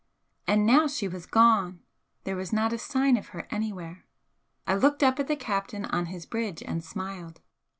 And now she was gone! There was not a sign of her anywhere. I looked up at the captain on his bridge and smiled.